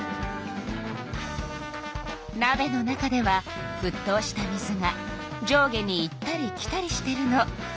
なべの中ではふっとうした水が上下に行ったり来たりしてるの。